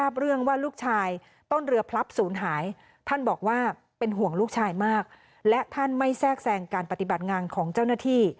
เป็นลูกชายของเจ้าหน้าที่